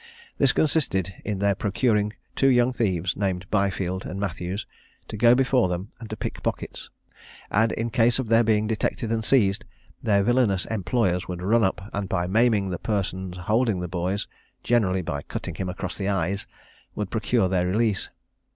This consisted in their procuring two young thieves, named Byfield and Mathews, to go before them and to pick pockets; and in case of their being detected and seized, their villanous employers would run up, and by maiming the person holding the boys, generally by cutting him across the eyes, would procure their release.